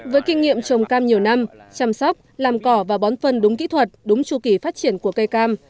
với kinh nghiệm trồng cam nhiều năm chăm sóc làm cỏ và bón phân đúng kỹ thuật đúng chu kỳ phát triển của cây cam